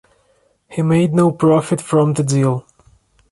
He made no profit from the deal.